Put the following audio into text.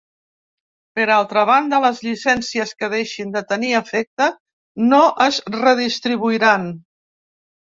Per altra banda, les llicències que deixin de tenir efecte no es redistribuiran.